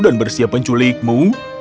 dan bersiap penculikmu